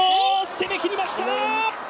攻めきりました！